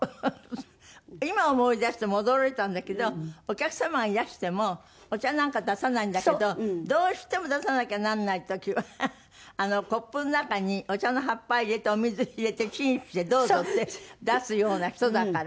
今思い出しても驚いたんだけどお客様がいらしてもお茶なんか出さないんだけどどうしても出さなきゃならない時はコップの中にお茶の葉っぱ入れてお水入れてチンして「どうぞ」って出すような人だから。